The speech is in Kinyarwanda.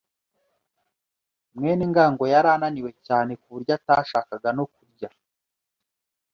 mwene ngango yari ananiwe cyane kuburyo atashakaga no kurya.